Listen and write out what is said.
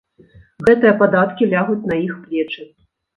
Гэтыя падаткі лягуць на іх плечы.